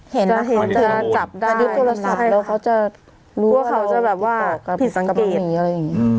เห็นว่าเขาจะจับได้แล้วเขาจะรู้ว่าเขาจะแบบว่าผิดสังเกตอะไรอย่างงี้